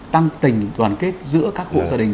tăng tình đoàn kết giữa các hộ gia đình